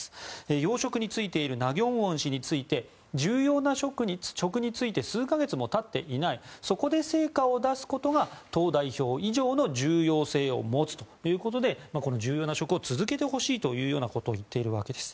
要職に就いているナ・ギョンウォン氏について重要な職に就いて数か月もたっていないそこで成果を出すことが党代表以上の重要性を持つということでこの重要な職を続けてほしいということを言っているわけです。